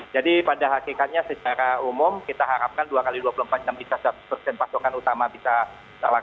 jadi pada hakikatnya secara umum kita harapkan dua x dua puluh empat jam bisa pasukan utama bisa masuk